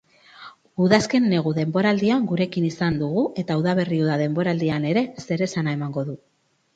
Udazken-negu denboraldian gurekin izan dugu eta udaberri-uda denboraldian ere zeresana emango du.